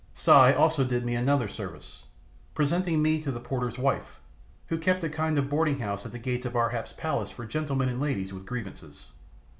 Si also did me another service, presenting me to the porter's wife, who kept a kind of boarding house at the gates of Ar hap's palace for gentlemen and ladies with grievances.